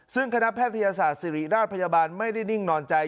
ซึ่งคณะแพทยศาสตร์ศิริราชพยาบาลไม่ได้นิ่งนอนใจ